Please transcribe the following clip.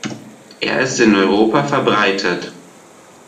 Er ist in Europa verbreitet.